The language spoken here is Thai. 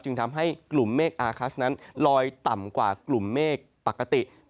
ทำให้กลุ่มเมฆอาคัสนั้นลอยต่ำกว่ากลุ่มเมฆปกติ